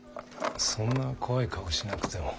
そんな怖い顔しなくても。